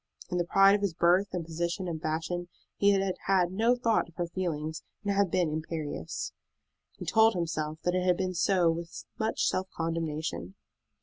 In the pride of his birth, and position, and fashion, he had had no thought of her feelings, and had been imperious. He told himself that it had been so with much self condemnation.